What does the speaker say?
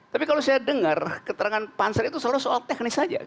tapi kalau saya dengar keterangan pansel itu selalu soal teknis saja